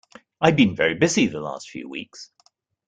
I've been very busy the last few weeks.